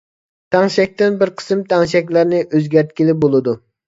تەڭشەكتىن بىر قىسىم تەڭشەكلىرىنى ئۆزگەرتكىلى بولىدۇ.